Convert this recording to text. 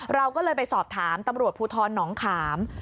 เราก็เลยไปสอบถามตำรวจภูทรหนองขาม